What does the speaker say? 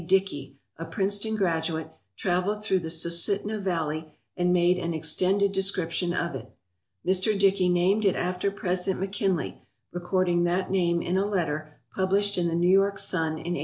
Dickey, a Princeton graduate, travelled through the Susitna valley and made an extended descrip tion of it. Mr. Dickey named it after President McKinley, recording that name in a letter published in the New York Sun in 1897.